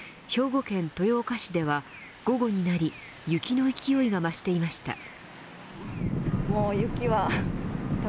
兵庫県豊岡市では午後になり雪の勢いが増していました。